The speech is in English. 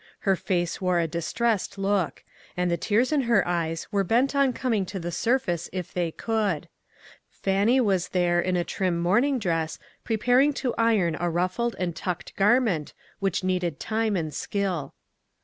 Her face wore a distressed look, and the tears in her eyes were bent on coming to the surface if they could. Fannie was there, in a trim morning dress, preparing to iron »57 158 ONE COMMONPLACE DAY. a ruffled and tucked garment, which needed time and skill.